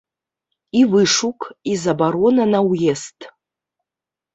І вышук, і забарона на ўезд.